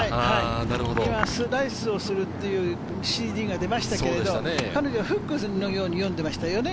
スライスをするっていうＣＧが出ましたけれど、彼女はフックするように読んでましたよね。